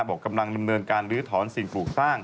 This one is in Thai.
บอกกำลังดำเนินการลื้อถอนสิ่งปลูกสร้าง